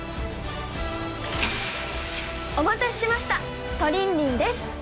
お待たせしましたトリンリンです